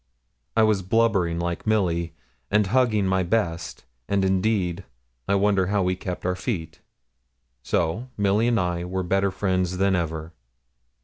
I was blubbering like Milly, and hugging my best; and, indeed, I wonder how we kept our feet. So Milly and I were better friends than ever.